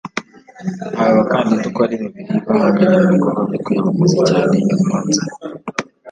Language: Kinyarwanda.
Aba bakandida uko ari babiri bahanganye mu bikorwa byo kwiyamamaza cyane i Mwanza